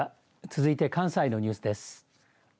続いて、関西のニュースです。